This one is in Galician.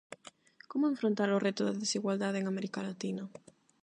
Como enfrontar o reto da desigualdade en América Latina?